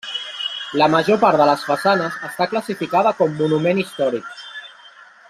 La major part de les façanes està classificada com Monument històric.